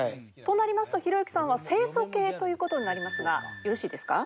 となりますとひろゆきさんは清楚系という事になりますがよろしいですか？